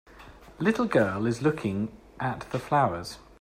Little girl is looking at the flowers.